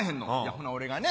ほな俺がね